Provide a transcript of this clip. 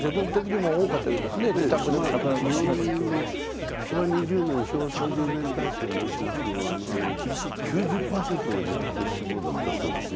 日本の昭和２０年昭和３０年代と申しますのは９０％が自宅死亡だったそうですよ。